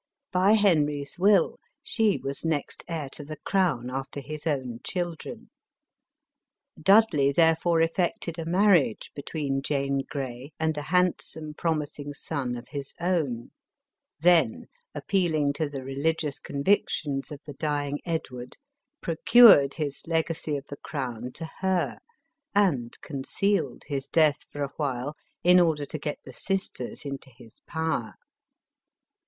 By Henry's will, she was next heir to the crown after his own children. Dudley therefore effected a marriage between Jane Grey and a handsome, promis ing son of his own ; then, appealing to the religious convictions of the dying Edward, procured his legacy of the crown to her, and concealed his death for a while, in order to get the sisters into his power.